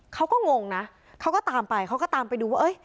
งงนะเขาก็ตามไปเขาก็ตามไปดูว่าเอ้ย